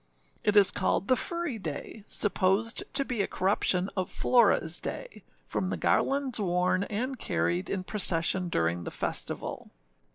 It is called the Furry day, supposed to be a corruption of Floraâs day, from the garlands worn and carried in procession during the festival.